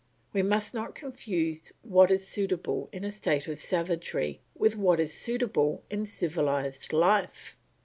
We must not confuse what is suitable in a state of savagery with what is suitable in civilised life.